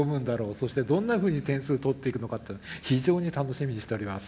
そしてどんなふうに点数取っていくのかって非常に楽しみにしております。